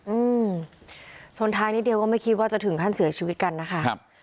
อืมชนท้ายนิดเดียวก็ไม่คิดว่าจะถึงขั้นเสียชีวิตกันนะคะครับ